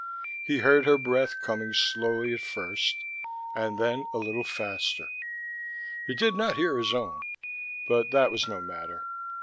He heard her breath coming slowly at first, and then a little faster. He did not hear his own, but that was no matter.